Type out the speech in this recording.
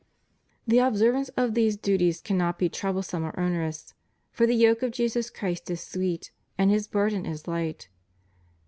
The observance of these duties cannot be troublesome or onerous, for the yoke of Jesus Christ is sweet, and His burden is light.